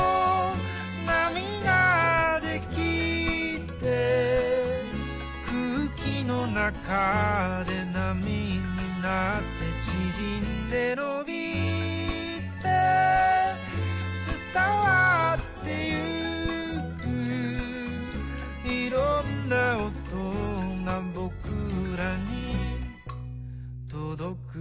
「なみができて」「くうきのなかでなみになって」「ちぢんでのびてつたわってゆく」「いろんなおとがぼくらにとどく」